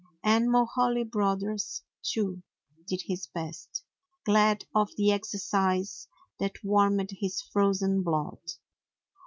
And Mulhaly Brothers too did his best, glad of the exercise that warmed his frozen blood.